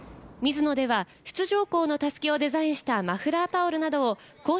ミズノでは出場校の襷をデザインしたマフラータオルなどを公式